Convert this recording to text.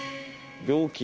病気。